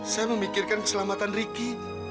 saya memikirkan keselamatan riki